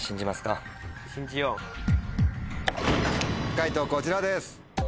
解答こちらです。